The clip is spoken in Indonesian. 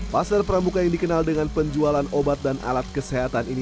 pasar pramuka yang dikenal dengan penjualan obat dan alat kesehatan ini